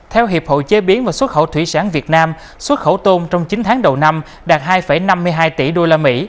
theo hiệp hội chế biến và xuất khẩu thủy sản việt nam xuất khẩu tôm trong chín tháng đầu năm đạt hai năm mươi hai tỷ usd